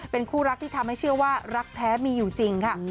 เป็นคู่รักที่ทำให้เชื่อว่ารักแท้มีอยู่จริงค่ะ